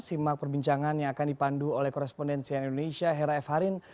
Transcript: simak perbincangan yang akan dipandu oleh korespondensi indonesia hera f harin